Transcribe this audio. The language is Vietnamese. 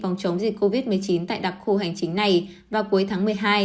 phòng chống dịch covid một mươi chín tại đặc khu hành chính này vào cuối tháng một mươi hai